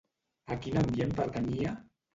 A quin ambient pertanyia?